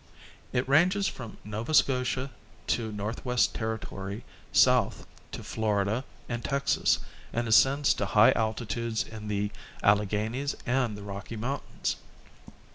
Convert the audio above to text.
It ranges from Nova Scotia to Northwest Territory south to Florida and Texas and ascends to high altitudes in the Alle ghanies and the Rocky Mountains.